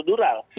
itu sudah cukup